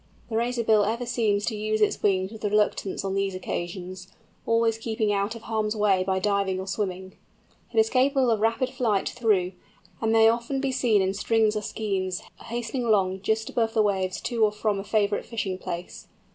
The Razorbill ever seems to use its wings with reluctance on these occasions, always keeping out of harm's way by diving or swimming. It is capable of rapid flight though, and may often be seen in strings or skeins, hastening along just above the waves to or from a favourite fishing place.